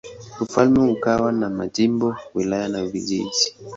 Ufalme ukawa na majimbo, wilaya na vijiji.